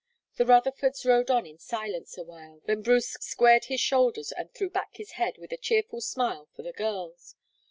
The Rutherfords rowed on in silence awhile, then Bruce squared his shoulders and threw back his head with a cheerful smile for the girls.